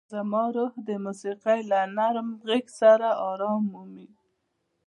زما روح د موسیقۍ له نرم غږ سره ارام مومي.